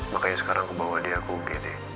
makanya sekarang aku bawa dia ke ugd